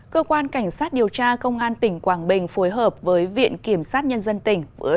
cơ quan cảnh sát điều tra công an tỉnh quảng bình phối hợp với viện kiểm sát nhân dân tỉnh